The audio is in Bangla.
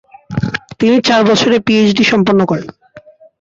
তিনি চার বছরে পিএইচডি সম্পন্ন করেন।